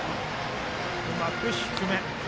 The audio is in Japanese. うまく低め。